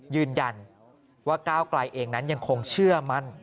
ยืนยันว่าก้าวไกลเองนั้นยังคงเชื่อมั่น